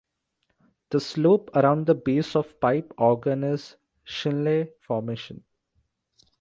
The slope around the base of Pipe Organ is Chinle Formation.